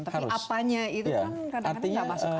tapi apanya itu kan kadang kadang tidak masuk ak